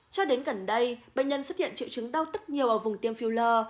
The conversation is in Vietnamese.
cho đến gần đây bệnh nhân xuất hiện triệu chứng đau tức nhiều ở vùng tiêm filler